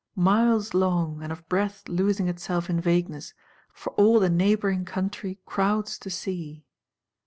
Miles long, and of breadth losing itself in vagueness, for all the neighbouring country crowds to see.